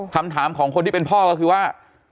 คำถามของคนที่เป็นพ่อก็คือว่า